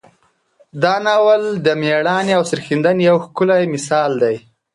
دا ناول د میړانې او سرښندنې یو ښکلی مثال دی.